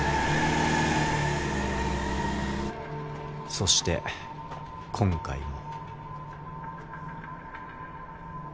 そして今回も